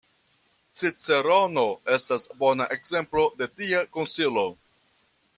Cicerono estas bona ekzemplo de tia konsilo.